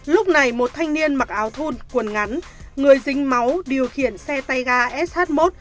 lúc này một thanh niên mặc áo thun quần ngắn người dính máu điều khiển xe tay ga sh một